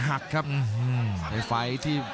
หักครับในไฟล์ที่